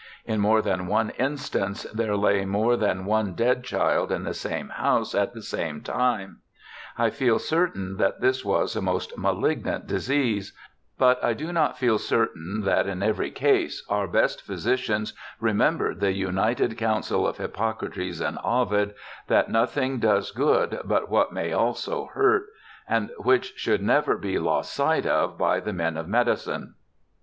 In more than one instance there lay more than one dead child in the same house at the same time. I feel certain that this was a most malignant disease ; but I do not feel certain that in every case our best physicians remembered the united counsel of Hippo crates and Ovid, that " nothing does good but what may also hurt ", and which should never be lost sight of by the man of medicine.'